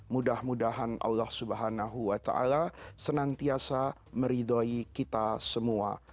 mudah mudahan allah swt senantiasa meridhoi kita semua